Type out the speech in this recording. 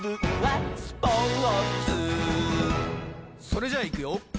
それじゃいくよ